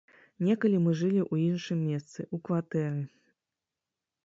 Некалі мы жылі ў іншым месцы, у кватэры.